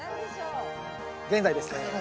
現在ですね